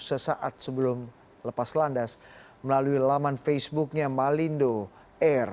sesaat sebelum lepas landas melalui laman facebooknya malindo air